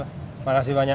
terima kasih banyak